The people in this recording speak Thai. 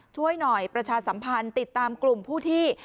ช่วยหน่อยประชาสัมพันธ์ติดตามกลุ่มผู้ที่